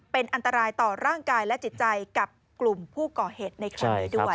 เป็นอันตรายต่อร่างกายและจิตใจกับกลุ่มผู้ก่อเหตุในครั้งนี้ด้วย